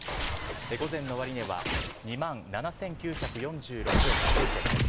午前の終値は２万７９４６円９銭です。